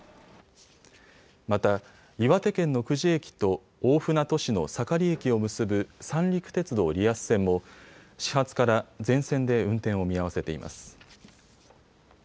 また、岩手県の久慈駅と大船渡市の盛駅を結ぶ三陸鉄道リアス線も始発から全線で運転を見合わせています。